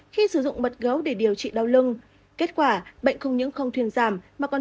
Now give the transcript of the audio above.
khi sử dụng mật gấu để điều trị đau lưng kết quả bệnh không những không thuyền giảm mà còn